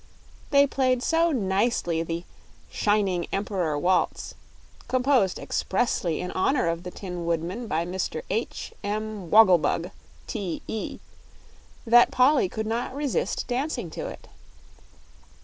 They played so nicely the "Shining Emperor Waltz," composed expressly in honor of the Tin Woodman by Mr. H. M. Wogglebug, T.E., that Polly could not resist dancing to it.